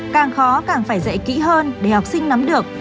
càng khó càng phải dạy kỹ hơn để học sinh nắm được